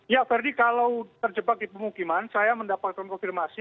ya verdi kalau terjebak di pemukiman saya mendapatkan konfirmasi